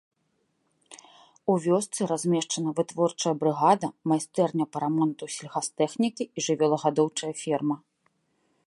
У вёсцы размешчана вытворчая брыгада, майстэрня па рамонту сельгастэхнікі і жывёлагадоўчая ферма.